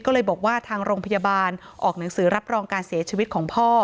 ก็เลยบอกว่าทางโรงพยาบาลออกหนังสือรับรองการเสียชีวิตของพ่อ